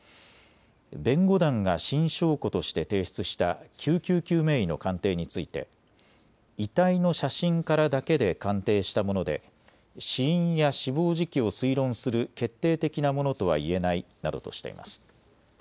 弁護団が新証拠として提出した救急救命医の鑑定について遺体の写真からだけで鑑定したもので死因や死亡時期を推論する決定的なものとは言えないなどとしています。